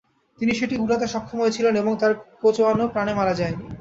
তিনি সেটি উড়াতে সক্ষম হয়েছিলেন এবং তার কোচয়ানও প্রাণে মারা যায়নি।